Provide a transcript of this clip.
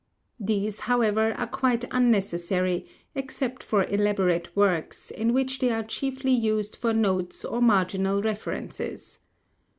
These, however, are quite unnecessary, except for elaborate works, in which they are chiefly used for notes or marginal references.